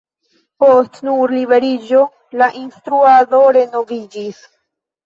Nur post liberiĝo la instruado renoviĝis.